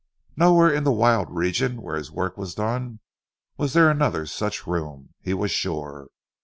Nowhere in the wild region where his work was done was there another such room, he was sure.